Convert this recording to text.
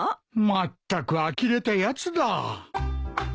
まったくあきれたやつだ。